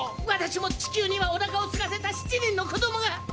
私も地球にはおなかをすかせた７人の子供が！